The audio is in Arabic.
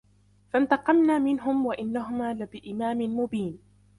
فانتقمنا منهم وإنهما لبإمام مبين